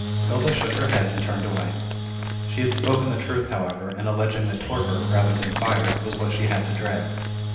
Hilda shook her head, and turned away. She had spoken the truth, however, in alleging that torpor, rather than fire, was what she had to dread.